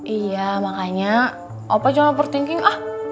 iya makanya opa jangan overthinking ah